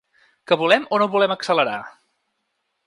Què volem o no volem accelerar?